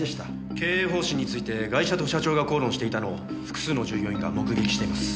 経営方針についてガイ者と社長が口論していたのを複数の従業員が目撃しています。